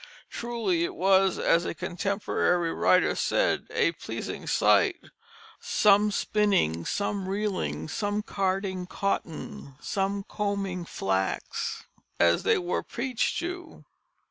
Truly it was, as a contemporary writer said, "a pleasing Sight: some spinning, some reeling, some carding cotton, some combing flax," as they were preached to.